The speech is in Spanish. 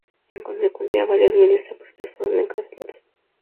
En consecuencia, varios miles de apristas fueron encarcelados.